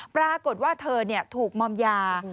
ปรากฏว่าเธอถูกมอมยา